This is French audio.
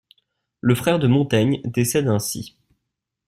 Le frère de Montaigne décède ainsi.